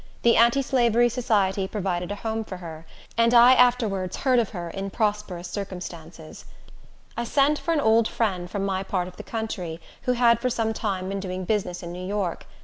The Anti Slavery Society provided a home for her, and I afterwards heard of her in prosperous circumstances. I sent for an old friend from my part of the country, who had for some time been doing business in New York.